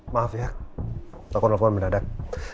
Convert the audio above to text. maaf ya telepon telepon mendadak